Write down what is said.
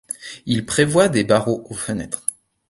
ils prevoyent des barreaux aux fenêtres